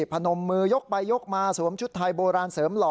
พนมมือยกไปยกมาสวมชุดไทยโบราณเสริมหล่อ